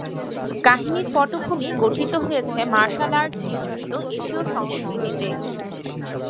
কাহিনীর পটভূমি গঠিত হয়েছে মার্শাল আর্ট নিয়ন্ত্রিত এশীয় সংস্কৃতিতে।